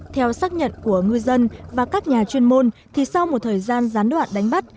theo xác nhận của ngư dân và các nhà chuyên môn thì sau một thời gian gián đoạn đánh bắt